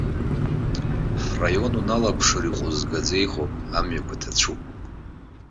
Ҳраион уналаԥшыр иҟәызгаӡа иҟоуп, амҩақәа ҭацәуп.